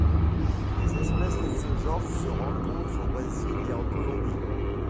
Les espèces de ce genre se rencontrent au Brésil et en Colombie.